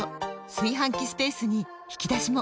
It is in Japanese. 炊飯器スペースに引き出しも！